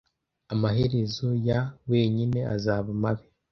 amaherezo ya wenyine azaba mabi